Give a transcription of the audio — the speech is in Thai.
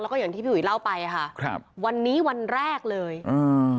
แล้วก็อย่างที่พี่อุ๋ยเล่าไปอ่ะค่ะครับวันนี้วันแรกเลยอ่า